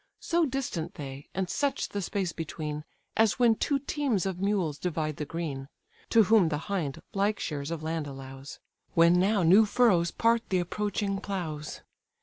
So distant they, and such the space between, As when two teams of mules divide the green, (To whom the hind like shares of land allows,) When now new furrows part the approaching ploughs.